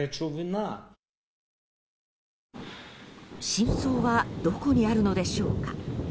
真相はどこにあるのでしょうか。